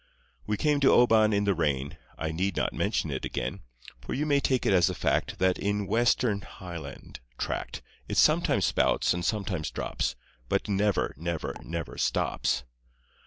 We came to Oban in the rain, I need not mention it again, For you may take it as a fact That in that Western Highland tract It sometimes spouts and sometimes drops, But never, never, never stops.